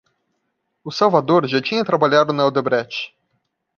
O Salvador já tinha trabalhado na Odebrecht.